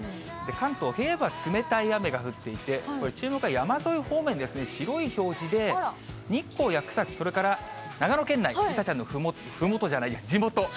関東平野部は冷たい雨が降っていて、これ、注目は山沿い方面ですね、白い表示で、日光や草津、それから長野県内、梨紗ちゃんのふもと、ふもとじゃないや、地元。